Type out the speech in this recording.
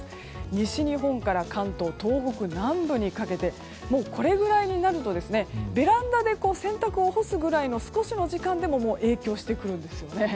西日本から関東、東北南部にかけてもうこれぐらいになるとベランダで洗濯を干すくらいの少しの時間でも影響してくるんですよね。